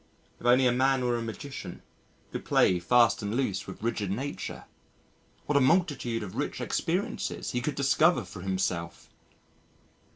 If only a man were a magician, could play fast and loose with rigid Nature? what a multitude of rich experiences he could discover for himself!